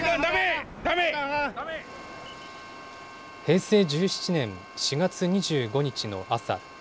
平成１７年４月２５日の朝。